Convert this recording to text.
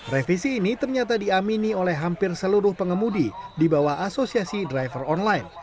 revisi ini ternyata diamini oleh hampir seluruh pengemudi di bawah asosiasi driver online